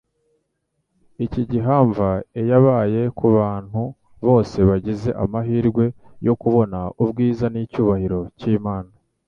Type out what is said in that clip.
Iki gihamva eyabaye ku bantu bose bagize amahirwe yo kubona ubwiza n'icyubahiro cy'Imana.